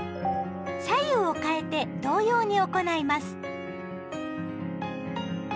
左右をかえて同様に行います。